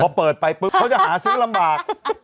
พอเปิดไปปุ๊บเขาจะหาซื้อลำบาก